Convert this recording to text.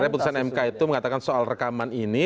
jadi sebenarnya putusan mk itu mengatakan soal rekaman ini